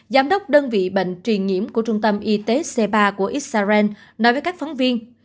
giám đốc đơn vị bệnh truyền nhiễm của trung tâm y tế c ba của israel